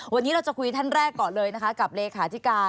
วันนี้เราจะคุยท่านแรกก่อนเลยนะคะกับเลขาธิการ